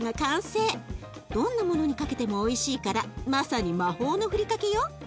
どんなものにかけてもおいしいからまさに魔法のふりかけよ。